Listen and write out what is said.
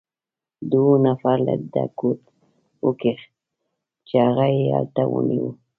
دوو نفر له ده کوټ وکیښ، چې هغه يې هلته ونیو.